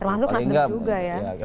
termasuk mas dedy juga ya